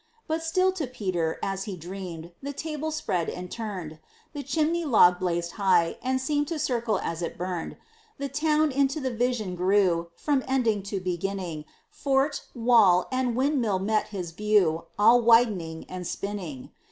But still to Peter, as he dreamed, The table spread and turned; The chimney log blazed high, and seemed To circle as it burned; The town into the vision grew From ending to beginning; Fort, wall, and windmill met his view, All widening and spinning.